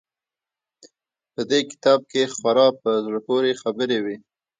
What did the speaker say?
په دې کتاب کښې خورا په زړه پورې خبرې وې.